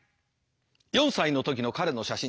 ４歳の時の彼の写真だ。